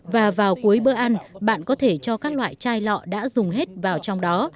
và vào cuối bữa ăn bạn có thể cho các loại chai lọ đã dùng hết vào trong đó